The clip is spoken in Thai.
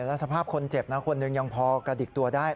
แล้วสภาพคนเจ็บนะคนหนึ่งยังพอกระดิกตัวได้